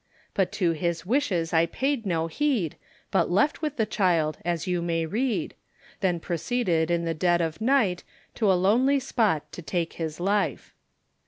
But to his wishes I paid no heed But left with the child, as you may read; Then proceeded in the dead of night, To a lonely spot to take his life.